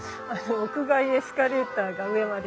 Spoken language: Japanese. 屋外エスカレーターが上まで。